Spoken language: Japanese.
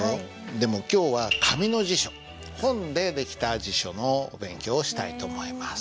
でも今日は紙の辞書本で出来た辞書のお勉強をしたいと思います。